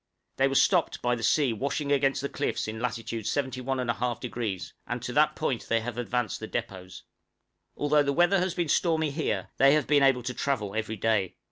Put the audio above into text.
They were stopped by the sea washing against the cliffs in latitude 71 1/2°, and to that point they have advanced the depôts. Although the weather has been stormy here, they have been able to travel every day.